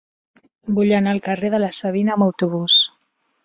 Vull anar al carrer de la Savina amb autobús.